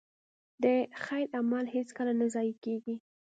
د خیر عمل هېڅکله نه ضایع کېږي.